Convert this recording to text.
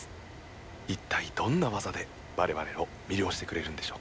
一体どんな技で我々を魅了してくれるんでしょうか？